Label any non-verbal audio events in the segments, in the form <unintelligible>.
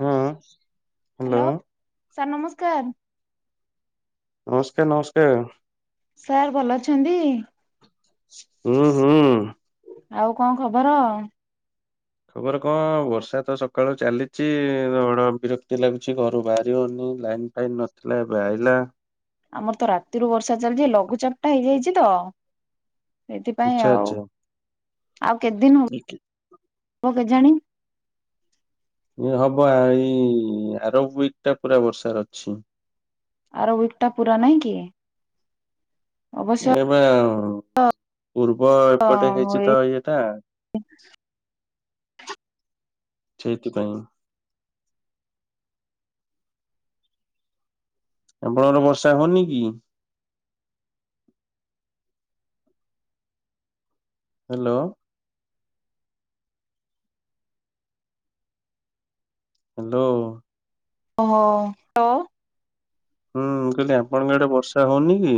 ହଁ hello, sir ନମସ୍କାର। ନମସ୍କାର, ନମସ୍କାର। ସାର୍ ଭଲ ଅଛନ୍ତି? ହୁଁ ହୁଁ। ଆଉ କଣ ଖବର? ଖବର କଣ ବର୍ଷା ତ ସକାଳୁ ଚାଲିଚ ବଡ ବିରକ୍ତି ଲାଗୁଚି ଘରୁ ବାହାରି ହଉନି, ଲାଇନ୍ ଫାଇନ ନଥିଲା ଏବେ ଆଇଲା। ଆମର ତ ରାତିରୁ ବର୍ଷା ଚାଲିଚି ଏଇ ଲଘୁଚାପ ଟା ହେଇଯାଇଚି ତ। ସେଇଥିପାଇଁ ଆଚ୍ଛା ଆଉ ଆଚ୍ଛା। ଆଉ କେଦିନ ହବ କେଜାଣି? ହବ ଏଇ ଆରବ ୱେକ ଟା ପୁରା ବର୍ଷା ଅଛି। ଆର ୱିକ ଟା ପୁରା ନାଇଁ କି? ଅବଶ୍ୟ ଇଏବା ପୂର୍ବ ଏପଟେ ହେଇଚି ତ ଇଏଟା ହ <unintelligible> ସେଇଥିପାଇଁ। ଆପଣଙ୍କର ବର୍ଷା ହୁଉନି କି? ହ୍ୟାଲୋ। ହ୍ୟାଲୋ। ଓହୋ, ତ ହୁଁ, ମୁଁ କହିଲି ଆପଣଙ୍କ ଆଡେ ବର୍ଷା ହଉନି କି?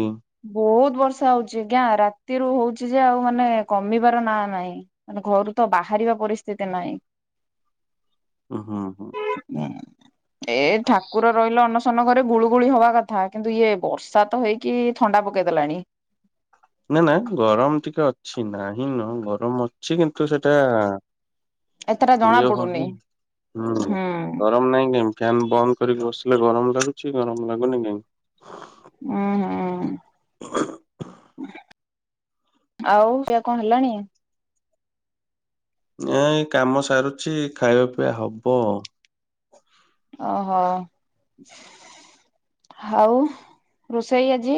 ବହୁତ ବର୍ଷା ହଉଛି ଆଜ୍ଞା ରାତିରୁୁ ହଉଛି ଯେ ଆଉ ମାନେ କମିବାର ନା ନାହିଁ। ମାନେ ଘରୁ ତ ବାହାରିବା ପରିସ୍ଥିତି ନାହିଁ। ଉଁ, ହୁଁ ହୁଁ। ଏ ଠାକୁର ରହିଲ ଅନସନ ଘରେ ଗୁଳୁଗୁଳି ହବା କଥା, କିନ୍ତୁ ଇଏ ବର୍ଷା ତ ହେଇକି ଥଣ୍ଡା ପକେଇଦେଲାଣି। ନା ନା ଗରମ ଟିକେ ଅଛି ନାହିଁ ନୁହଁ, ଗରମ ଅଛି କିନ୍ତୁ ସେଟା ଏତେଟା ଜଣା ଇଏ ପଡୁନି। ହଉଛି ହୁଁ ଗରମ ନାଇଁ କାଇଁ। ଫ୍ୟନ୍ ବନ୍ଦ କରିକି ବସିଲେ ଗରମ ଲାଗୁଛି ଗରମ ଲାଗୁନି କାଇଁ। ଅଁ, ହଁ। ଆଉ ସେଇଆ କଣ ହେଲାଣି? ନାଇଁ କାମ ସାରୁଛି ଖାଇବା ପିଇବା ହବ। ଓହୋ, ଆଉ ରୋଷେଇ ଆଜି?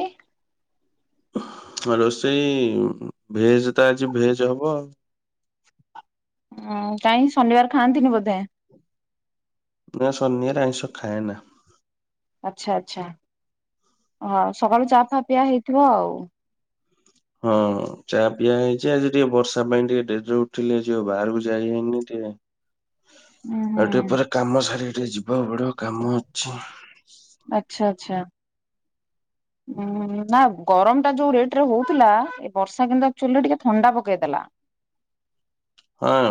ରୋଷେଇ ଭେଜ୍ ତ ଆଜି ଭେଜ୍ ହବ। ଅଁ, କାଇଁ ଶନିବାର ଖାଆନ୍ତିନି ବୋଧେ? ନା ଶନିବାର ଆଇଁଷ ଖାଏନା। ଆଚ୍ଛା, ଆଚ୍ଛା ହଁ ସକାଳୁ ଚା ଫା ପିଆ ହେଇଥିବ ଆଉ। ହଁ ଚା ପିଆ ହେଇଛି, ଆଜି ଟିକେ ବର୍ଷା ପାଇଁ ଟିକେ ଡେରିରେ ଉଠିଲି ଆଜି ଆଉ ବାହାରକୁ ଯାଇ ହେଇନି ଟିକେ ଉୁଁ ହୁଁ ଆଉ ଟିକେ ପରେ କାମ ସାରିକି ଟିକେ ଯିବା ପଡିବ କାମ ଅଛି। ଆଚ୍ଛା, ଆଚ୍ଛା। ଉଁ, ନା ଗରମ ଟା ଯୋଉ ରେଟ୍ ରେ ହଉଥିଲା, ଏ ବର୍ଷା କିନ୍ତୁ ଆକ୍ଚୁଲି ରେ ଟିକେ ଥଣ୍ଡା ପକେଇ ଦେଲା। ଆଁ,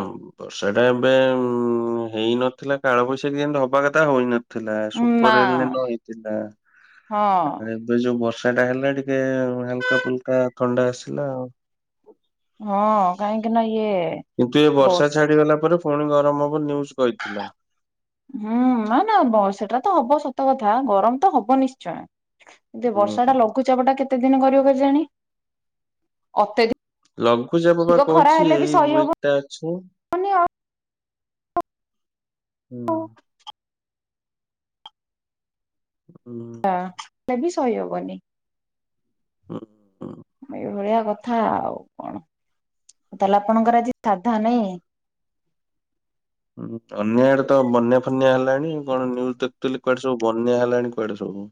ବର୍ଷା ଟା ଏବେ ଉଁ, ହେଇନଥିଲା କାଳ ବୈଶାଖୀ କିନ୍ତୁ ହବା କଥା ହଉନ ଥିଲା, ନା ସୁପର ଏଲିନୋ ହେଇଥିଲା ହଁ ତାପରେ ଏ ଯୋଉ ବର୍ଷା ଟା ହେଲା ଟିକେ ହାଲକା ଫୁଲକା ଥଣ୍ଡା ଆସିଲା ଆଉ। ହଁ କାହିଁକି ନା ଇଏ କିନ୍ତୁ ଏ ବର୍ଷା ବର୍ଷ ଛାଡିଗଲା ପରେ ପୁଣି ଗରମ ହବ ନିଉଜ୍ କହିଥିଲା। ହୁଁ, ନା ନା ବ- ସେଟା ତ ହବ ସତ କଥା, ଗରମ ତ ହବ ନିଶ୍ଚୟ। ଦେ-ବର୍ଷା ଟା ହୁଁ ଲଘୁଚାପ ଟା କେତେ ଦିନ କରିବ କେଜାଣି? ଅତ୍ୟଧି ଲଘୁଚାପ ପା କହୁଛି ଏଇ ୱିଇକ୍ ସହିହବନି ଟା ଅଛୁ, ଆଉ ହୁଁ, ହୁଁ। ହେଲେ ବି ସହିହବନି। ହୁଁ, ହୁଁ। ଏ ଭଳିଆ କଥା ଆଉ କଣ, ତାହେଲେ ଆପଣଙ୍କର ଆଜି ସାଧା ନାଇଁ? ହୁଁ, ଅନ୍ୟ ଆଡେ ତ ବନ୍ୟା ଫନ୍ୟା ହେଲାଣି କଣ ନ୍ୟୁଜ୍ ଦେଖୁଥିଲି କୁଆଡେ ସବୁ ବନ୍ୟା ହେଲାଣି କୁଆଡେ ସବୁ।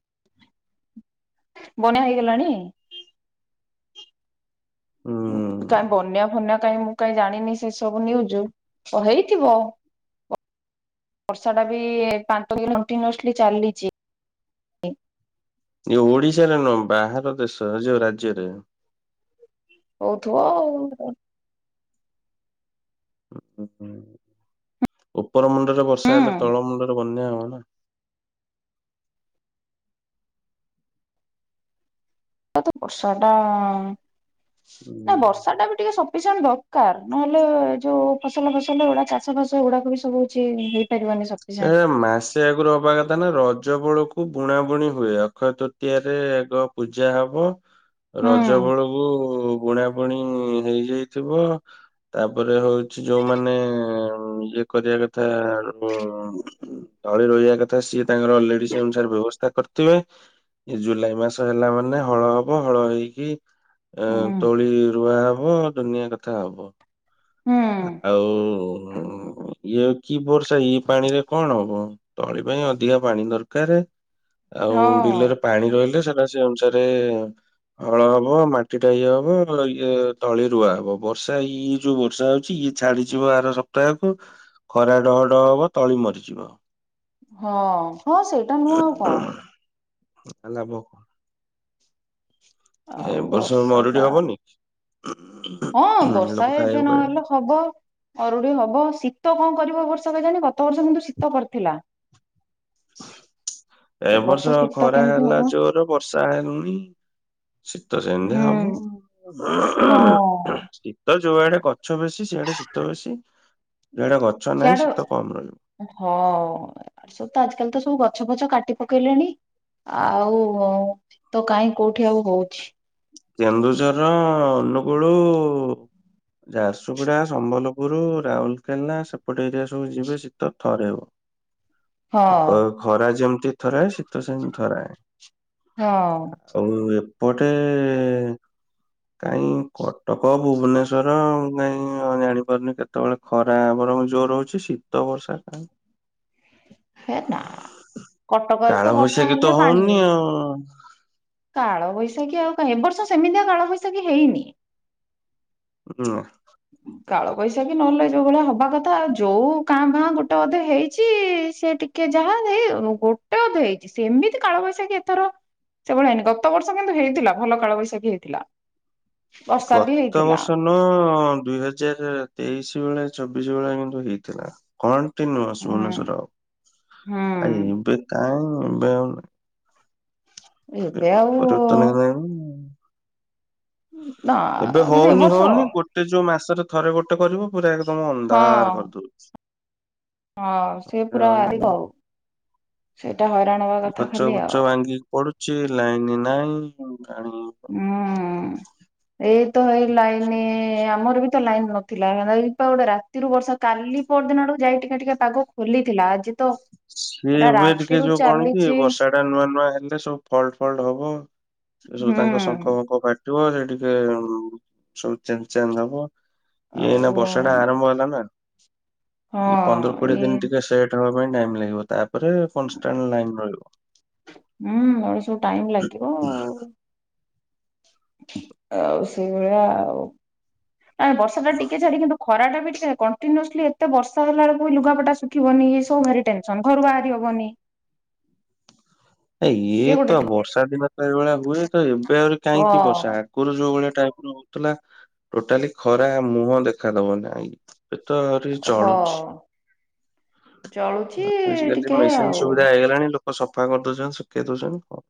ବନ୍ୟା ହେଇଗଲାଣି? ଉଁ, ହୁଁ। କାଇଁ ବନ୍ୟା ଫନ୍ୟା କାଇଁ ମୁଁ କାଇଁ ଜାଣିନି ସେ ସବୁ ନିଉଜୁ, ତ ହେଇଥିବ <inaudible> ବର୍ଷା ଟା ବି ପାଞ୍ଚ ଦିନି କଣ୍ଟିନ୍ୟସଲି ଚାଲିଚି। ଇଏ ଓଡିଶାରେ ନୁହଁ ବାହାର ଦେଶ ଏ ଯୋଉ ରାଜ୍ୟରେ। ହଉଥୁବ ଆଉ <inaudible> ଉଁ, ହୁଁ, ଉପର ମୁଣ୍ଡରେ ବର୍ଷା ହେଲେ ତଳ ମୁଣ୍ଡରେ ବନ୍ୟା ହବ ନା। ଏ ତ ବର୍ଷା ଟା ନା ବର୍ଷା ଟା ବି ଟିକେ ସ ପିସେଣ୍ଟ ଦରକାର, ନହେଲେ ଏ ଯୋଉ ଫସଲ ଫସଲ ଗୁଡା ଚାଷ ଫାସ ଏ ଗୁଡାକ ବି ସବୁ କିଛି ହେଇପାରିବନି ସ ଏ ମାସ୍ ସେ ଆଗରୁ ହବା କଥା ନା, ରଜ ବଳୁକୁ ବୁଣା ବୁଣି ହୁଏ। ଅକ୍ଷୟ ତୃତୀୟାରେ ଗପ୍ ପୂଜା ହବ। ହୁଁ ରଜ ବଳୁକୁ ବୁଣା ବୁଣି ହେଇଯାଇଥିବ। ତା'ପରେ ହଉଛି, ଯୋଉମାନେ ଇଏ କରିବା କଥା। ଉଁ ତଳି ରୋଇଆ କଥା ସିଏ ତାଙ୍କର ଅଲ୍ ରେଡି ସେ ଅନୁସାରେ ବ୍ୟବସ୍ଥା କରିଥିବେଁ। ଏ ଜୁଲାଇ ମାସ ହେଲା ମାନେ ହଳ ହବ। ହଳ ହେଇକି ହୁଁ ଅଁ ତଳି ରୁଆ ହବ। ଦୁନିଆ କଥା ହବ। ହୁଁ ଆ-ଆଉ-ଉଁ ଇଏ କି ବର୍ଷା ଇଏ ପାଣି ରେ କଣ ହବ? ତଳି ପାଇଁ ଅଧିକା ପାଣି ଦରକାରେ। ଆଉ ହଁ। ବିଲରେ ପାଣି ରହିଲେ, ସେଟା ସେ ଅନୁସାରେ--ଅନୁସାରେ-ଏଁ ହଳ ହବ, ମାଟି ଟା ଇଏ ହବ। ଇଏ ତଳି ରୁଆ ହବ। ବର୍ଷା ଇଏ ଯୋଉ ବର୍ଷା ହଉ ଚି ଇଏ ଛାଡିଯିବ ଆର ସପ୍ତାହକୁ। ଖରା ଡହ ଡହ ହବ, ତଳି ମରିଯିବ। ହଁ, ହଁ ସେଇ ଆ ଲାଭ କଁ? ଏ ଆଉ ବର୍ଷ ବର୍ଷା ଟା ମରୁଡି ହବନି? ହଁ, ବର୍ଷା ଲୋକ ୟଦି ଖାଇବାକୁ ପାଇବେନି। ନହେଲେ ହବ। ଅରୁଡି ହବ। ଶୀତ କଣ କରିବ, ଏ ବର୍ଷ କେଜାଣି? ଗତବର୍ଷ କିନ୍ତୁ ଶୀତ କରିଥିଲା। ଏ ବର୍ଷ ଶୀତ ଖରା କେମିତି ହେଲା ହବ ଜୋର୍ ବର୍ଷା ହେଲୁ୍ନି। ଶୀତ ସେମିତିଆ ହବ ହୁଁ ହଁ ଆଉ। ଶୀତ ଯୁଆଡେ କ ଗଛ ବେଶୀ ସିଆଡେ ଶୀତ ବେଶୀ। ଯୁଆଡେ ଗଛ ନାହିଁ, ଶୀତ କମ୍ ରହିବ। ହଁ-ଅ ଆଡ୍ ସବୁ ତ ଆଜକାଲି ତ ସବୁ ଗଛପଛ କାଟି ପକେଇଲେଣି। ଆଉ ଶୀତ କାହିଁ କୋଉଠି, ଆଉ ହଉଛି? କେନ୍ଦୁଝର, ଅନୁଗୁଳୁ ଝାରସୁଗୁଡା, ସମ୍ବଲପୁରୁ, ରାଉଲକେଲା, ସେପଟେ ଏରିଆ ସବୁ ଯିବେ, ଶୀତ ଥରେଇବ। <unintelligible> ଖ-ଖରା ଯେମିତି ଥରାଏ। ଶୀତ ସେମିତି ଥରାଏ। ହଁ। ଆଉ ଏପଟେ-ଏଁ କାଇଁ, କଟକ, ଭୁବନେଶ୍ଵର କାଇଁ, ଜାଣିପାରୁନି କେତେବେଳେ ଖରା ବରଂ ଜୋର୍ ହଉଛି। ଶୀତ, ବର୍ଷା କାଇଁ? ହେ ନା କଟକରେ ତ ବର୍ଷା କାଳବୈଶାଖୀ ହେଲେ ତ ହଉନି ଆଉ-ଉଁ। କାଳବୈଶାଖୀ ଆଉ କାଇଁ! ଏ ବର୍ଷ ସେମିତିଆ କାଳବୈଶାଖୀ ହେଇନି। ଉ, ନା। <inaudible> କାଳବୈଶାଖି ନହେଲେ ଯୋଉ ଭଳିଆ ହବା କଥା, ଯୋଉ କାଁ ଭାଁ ଗୋଟେ ଅଧେ ହେଇଛି-ଇ ସିଏ ଟିକ୍ କେ ଯାହା ସେଇ ଗୋଟେ ଅଧେ ହେଇଚି। ସେମିତି କାଳବୈଶାଖୀ ଏଥର ସେଭଳିଆ ହେଇନି। ଗତ ବର୍ଷ କିନ୍ତୁ, ହେଇଥିଲା। ଭଲ କାଳ ବୈଶାଖୀ ହେଇଥିଲା। ବର୍ଷା ବି ଗତ ହେଇଥିଲା ବର୍ଷ ନୁଉଁ-ଉଁ ଦୁଇ ହଜାର ତେଇଶି ବେଳେ, ଚବିଶ ବେଳେ କିନ୍ତୁ ହେଇଥିଲା କଣ? ତିନି ମାସ ହୁଁ ମନେସର, ଆଉ ହୁଁ ଏବେ କାଇଁ ଏବେ ଆଉ ନା। ଏବେ ଆଉ <unintelligible> ବହୁତ ପରିବର୍ତନ ହେଲାଣି। ନା ଏବେ କିନ୍ତୁ ଏ ହଉନି ବର୍ଷ ହଉନି ଗୋଟ୍ ଟେ ଯୋଉ ମାସରେ ଥରେ ଗୋଟେ କରିବ, ପୁରା ଏକଦମ୍ ହଁ ଅନ୍ଧାର କରିଦଉଛି। ହଁ, ସିଏ ପୁରା ହଇରାଣ ଅଧିକ ହବ। ସେଇଟା ହଇରାଣ ବା ଗଛ ଫଛ ଭାଙ୍ଗିକି ପଡ଼ୁଚି ଲାଇନ୍ ନାହିଁ ପାଣି ମୁଁ ଏଇତ ଏଇ ଲାଇନ୍ ଆମରବିତ ଲାଇନ୍ ନଥିଲା ହେରାବିତ ଗୋଟେ ରା ତିରୁ ବର୍ଷା କାଲି ପର ଦିନ ଆଡ଼ୁ ଯାଇ ଟିକେ ଟିକେ ପାଗ ଖୋଲିଥିଲା ଆଜି ତ ସିଏ ପୁରା ଏବେଟିକେ ରାତିରୁ ଯୋଉ କଣକି ଚାଲିଛି ବର୍ଷା ହେରା ନୂଆ ନୂଆ ହେଲେ ସବୁ ଫଲ୍ଟ ଫଲ୍ଟ ହବ ସବୁ ତାଙ୍କ ଶଙ୍କ ହୁଁ ଫଙ୍କ ଫାଟି ଟିବ ସେଟିକେ ସବୁ ଚେଞ୍ଜ ଚାଞ୍ଜ ହବ ଇଏ ଏଇନା ଆଉ ବର୍ଷାଟା ଆରମ୍ଭ ହେଲାନା ହଁ ଇଏ ପନ୍ଦର, କୋଡ଼ିଏ ଇଏ ଦିନି ଟିକେ ଦବାପାଇଁ ଟାଇମ୍ ଲାଗିବ ତାପରେ କନଷ୍ଟାଣ୍ଟ ଲାଇନ୍ ରହିବ। ହୁଁ ଏରା ସବୁ ଟାଇମ୍ ଲାଗିବ। ଆଉ ସେଇଭଳିଆ ଆଉ ନା ବର୍ଷାଟା ଟିକେ ଛାଡ଼ି କିନ୍ତୁ ଖରାଟାବି ଟିକେ କଣ୍ଟିନ୍ୟୁସଲି ଏତେ ବର୍ଷା ହେଲା ବେଳକୁ ଲୁଗାପଟା ଶୁଖିବନି ଇଏସବୁ ଭାରି ଟେନ୍ ଘରୁ ବାହାରି ହବନି। ସିଏ ଗୋଟେ ଇଏତ ଟେ- ବର୍ଷା ଦିନେତ ଏଇଭଳିଆ ହୁଏ ତଏବେ ଆହୁରି କାହିଁକି ବର୍ଷା ହଁ ଆଗରୁ ଯୋଉ ଭଳିଆ ଟାଇମ୍ ରହୁଥିଲା ଟୋଟାଲି ଖରା ମୁହଁ ଦେଖାଦବ ନାଇଁ। ଏଠିତ ଆହୁରି ହଁ ଚଳୁଛି। ଜଳୁଛି ଆଜିକାଲି ଟିକେ ମେସିନ୍ ଆଉ। ସୁବିଧା ହେଇଗଲାଣି ଲୋକ ସଫାକରି ଦଉଚନ୍ତି ଶୁଖେଇ ଦଉଛନ୍ତି ଆଉ।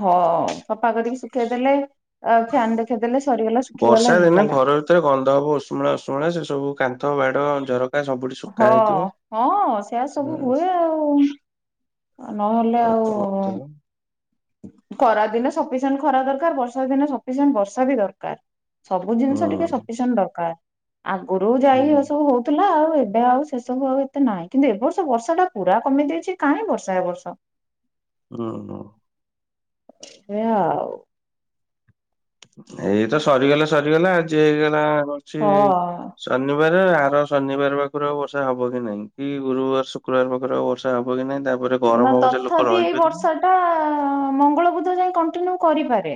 ହଁ ସଫା କରିକି ଶୁଖେଇଦେଲେ ଆ ଫ୍ୟାନ ଦେଖେଇଦେଲେ, ସରିଗଲା, ଶୁଖିଗଲା ହେଇଗଲା। ସେଥିରେ ଗନ୍ଧ ହବ ଉସୁମୁଳିଆ, ଉସୁମୁଳିଆ ସେ ସବୁ କାନ୍ଥ, ବାଡ଼, ଝରକା ସବୁଠି ଶୁଖା ହଁ, ହେଇଥିବ। ହଁ ସେଇଆ ହଁ, ସବୁ ହୁଏ ଆଉ। ନହେଲେ ଆଉ ହଁ, ହଁ, ଖରା ଦିନେ ସଫିସିଏଣ୍ଟ ଖରା ଦରକାର୍ ବର୍ଷା ଦିନେ ସଫିସିଏଣ୍ଟ ବର୍ଷାବି ଦରକାର୍। ସବୁ ଜିନିଷ ଟିକେ ହୁଁ ସଫିସିଏଣ୍ଟ ଦରକାର୍ ଆଗରୁ ଯାଇ ଏସବୁ ହଉ ଥିଲା ଆଉ ଏବେ ଆଉ ସେସବୁ ଆଉ ଏତେ ନାହିଁ କିନ୍ତୁ ଏବର୍ଷ ବର୍ଷାଟା ପୁରା କମି ଦେଇଚି କାଇଁ ବର୍ଷା ଏବ ବର୍ଷ? ହୁଁ, ହୁଁ। ସେଇଆ ଆଉ। ଏଇତ ସରିଗଲା, ସରିଗଲା ଆଜି ହେଇଗଲା ହୋଉଚି ହଁ। ଶନିବାରେ ଆର ଶନିବାର ପାଖରୁ ଆଉ ବର୍ଷା ହବକି ନାଇଁ କି ଗୁରୁବାର, ଶୁକ୍ରବାର ପାଖରୁ ଆଉ ବର୍ଷା ହବକି ନାଇଁ ତା ପରେ ନା ଗରମ ହଉଚି ଲୋକ ତଥାପି ଏଇ ରହିପାରିବେନି। ବର୍ଷା ଟା ମଙ୍ଗଳ, ବୁଧ ଯାଏ କଣ୍ଟିନ୍ୟୁ କରିପାରେ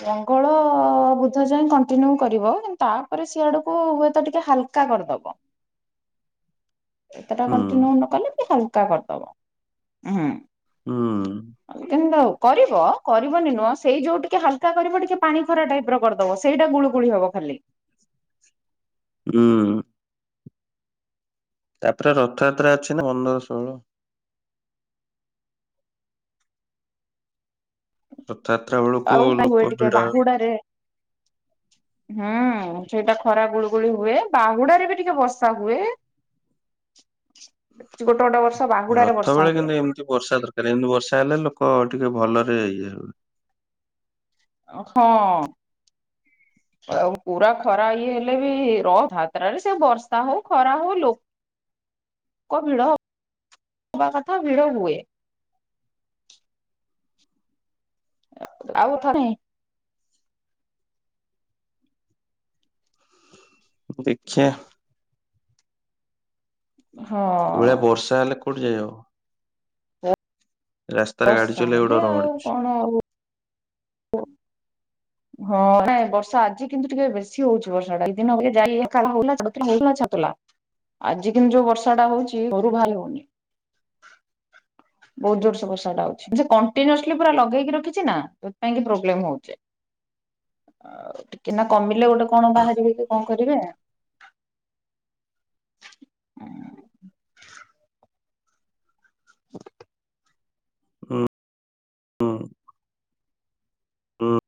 ମଙ୍ଗଳ ମଙ୍ଗଳ, ବୁଧ ଯାଏ କଣ୍ଟିନ୍ୟୁ କରିବ କିନ୍ତୁ ତାପରେ ସିଆଡ଼କୁ ହୁଏତ ଟିକେ ହାଲକା କରିଦବ। ଏତେଟା ହୁଁ କଣ୍ଟିନ୍ୟୁ ନକଲେବି ହାଲକା କରିଦବ ହୁଁ। ହୁଁ। କିନ୍ତୁ କରିବ କରିବନି ନୁଆ ସେଇ ଯୋଉ ଟିକେ ହାଲକା କରିବ ଟିକେ ପାଣି ଖରା ଟାଇପର କରିଦବ ସେଇଟା ଗୁଳୁଳି ହବ ଖାଲି। ହୁଁ। ତାପରେ ରଥଯାତ୍ରା ଅଛିନା ଅନସୁ ରଥଯାତ୍ରା ବେଳୁ ଆଉ ହୁଏ ଟିକେ ବାହୁଡ଼ାରେ। ହୁଁ ସେଇଟା ଖରା ଗୁଳୁଗୁଳି ହୁଏ ବାହୁଡ଼ାରେବି ଟିକେ ବର୍ଷା ହୁଏ। ଗୋଟେ ଗୋଟେ ବର୍ଷ ବାହୁଡ଼ାରେ ରଥ ବର୍ଷା ବେଳେ ହୁଏ। <unintelligible> ବର୍ଷା ଦରକାର୍ ଏମିତି ବର୍ଷା ହେଲେ ଲୋକ ଟିକେ ଭଲରେ ଇଏ ହେବେ। ହଁ। ଆଉ ପୁରା ଖରା ଇଏ ହେଲେ ବି ର ଭାତ୍ରାରେ ସେ ବର୍ଷା ହଉ ଖରା ହଉ ଲୋ କ ଭିଡ ହବା କଥା ଭିଡ ହୁଏ। ଆଉ ଥରେ ଦେଖିଆ? ଏଇଭଳିଆ ହଁ ବର୍ଷା ହେଲେ କୋଉଠି ଯାଇହବ। ରାସ୍ତାରେ ଗାଡି ବର୍ଷା ଚଲେଇବାକୁ ହେଲେ ଡର ଆଉ ମାଡୁଚି। କଣ ଆଉ <inaudible> ହଁ ନାଇଁ ବର୍ଷା ଆଜି କିନ୍ତୁ ଟିକେ ବେଶୀ ହଉଛି ବର୍ଷା ଟା <unintelligible> ଆଜି କିନ୍ତୁ ଯୋଉ ବର୍ଷା ଟା ହଉଛି ଘରୁ ବାହାରି ହଉନି। ବହୁତ ଜୋରସୋ ବର୍ଷା ଟା ହଉଛି ସେ କଣ୍ଟିନିୟସଲି ପୁରା ଲଗେଇ ରଖିଛି ନା ସେଥିପାଇ କି ପ୍ରୋବ୍ଲେମ ହୋଉଛି। ଆ ଟିକେ ନା କମିଲେ ଗୋଟେ କଣ ବାହାରିବେ କି କଣ କରିବେ। <inaudible> ହୁଁ ହୁଁ ହୁଁ।